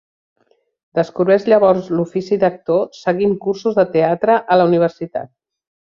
Descobreix llavors l'ofici d'actor seguint cursos de teatre a la universitat.